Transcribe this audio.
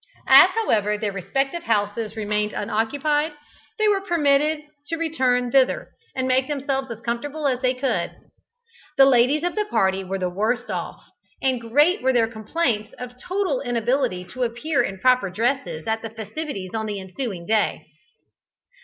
As, however, their respective houses remained unoccupied, they were permitted to return thither, and make themselves as comfortable as they could. The ladies of the party were the worst off, and great were their complaints of total inability to appear in proper dresses at the festivities on the ensuing day.